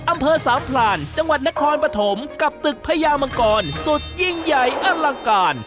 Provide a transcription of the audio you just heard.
อำเภอสามพลานจังหวัดนครปฐมกับตึกพญามังกรสุดยิ่งใหญ่อลังการ